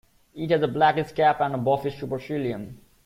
It has a blackish cap and a buffy supercilium.